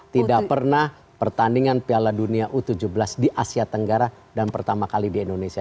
tidak pernah pertandingan piala dunia u tujuh belas di asia tenggara dan pertama kali di indonesia